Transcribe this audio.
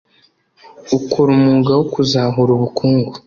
ukora umwuga wo kuzahura ubukungu